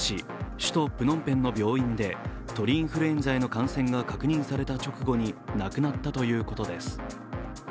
首都プノンペンの病院で鳥インフルエンザへの感染が確認された直後に亡くなったということです。